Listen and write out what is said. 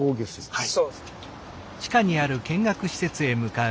はい。